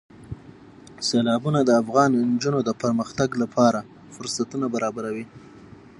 سیلابونه د افغان نجونو د پرمختګ لپاره فرصتونه برابروي.